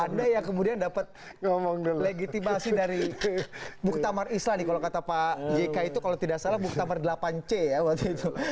anda yang kemudian dapat legitimasi dari muktamar islam nih kalau kata pak jk itu kalau tidak salah buktamar delapan c ya waktu itu